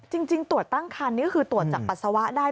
จริงตรวจตั้งคันนี่คือตรวจจากปัสสาวะได้